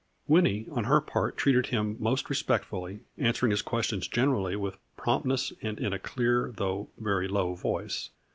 Winnie on her part treated him most re spectfully, answering his questions generally with promptness and in a clear, though very low voice.